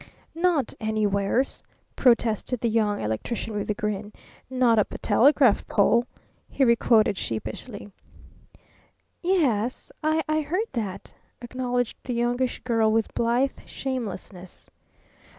"Not anywheres," protested the Young Electrician with a grin. "'Not up a telegraph pole!'" he requoted sheepishly. "Y e s I heard that," acknowledged the Youngish Girl with blithe shamelessness.